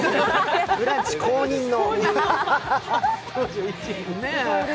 「ブランチ」公認の。